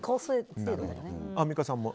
アンミカさんもＣ。